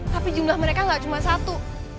tapi jumlah mereka nggak cuma satu